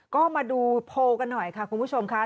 ก็มาดูโพลกันหน่อยค่ะคุณผู้ชมค่ะ